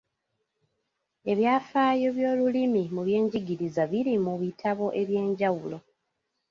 Ebyafaayo by’olulimi mu byenjigiriza biri mu bitabo eby'enjawulo.